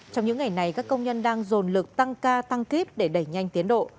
trong những ngày này các công nhân đang dồn lực tăng ca tăng kíp để đẩy nhanh tiến độ